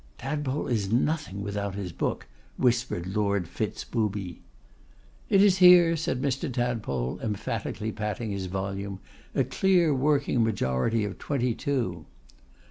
'Tadpole is nothing without his book,' whispered Lord Fitz Booby. 'It is here,' said Mr. Tadpole, emphatically patting his volume, 'a clear working majority of twenty two.